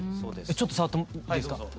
ちょっと触ってもいいですか？